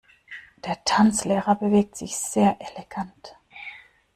Der Tanzlehrer bewegt sich sehr elegant.